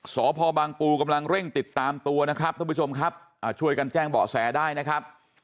สพบางปูกำลังเร่งติดตามตัวนะครับท่านผู้ชมครับช่วยกันแจ้งเบาะแสได้นะครับ